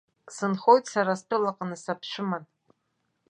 Сынхоит сара стәылаҟны саԥшәыман.